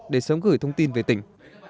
để sớm gửi thông tin về tỉnh